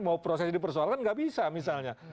mau proses dipersoalkan gak bisa misalnya